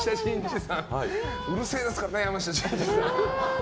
うるせえですからね山下真司さん。